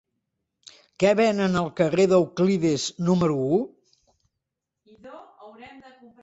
Què venen al carrer d'Euclides número u?